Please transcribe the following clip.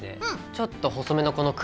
ちょっと細めのこの黒。